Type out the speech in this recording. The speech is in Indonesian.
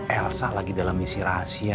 elsa lagi dalam misi rahasia